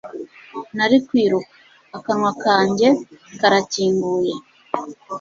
nari kwiruka. akanwa kanjye karakinguye